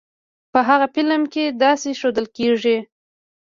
په هغه فلم کې داسې ښودل کېږی.